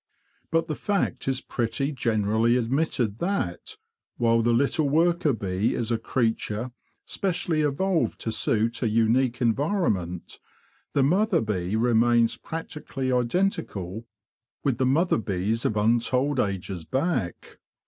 But the fact is pretty generally admitted that, while the little worker bee is a creature specially evolved to suit a unique environment, the mother bee remains practically identical with the mother bees of untold ages back.